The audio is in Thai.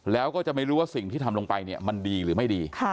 แล้วก็จะไม่รู้ว่าสิ่งที่ทำลงไปเนี่ยมันดีหรือไม่ดี